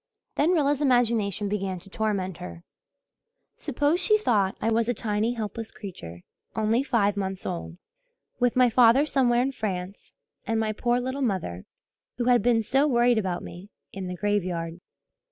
Then Rilla's imagination began to torment her. Suppose, she thought, I was a tiny, helpless creature only five months old, with my father somewhere in France and my poor little mother, who had been so worried about me, in the graveyard.